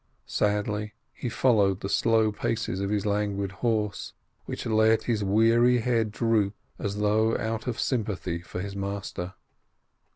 Sadly he followed the slow paces of his languid horse, which let his weary head droop as though out of sym pathy for his master.